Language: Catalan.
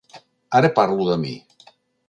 Ara parlo de mi.